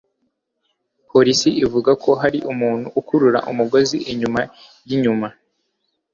polisi ivuga ko hari umuntu ukurura umugozi inyuma yinyuma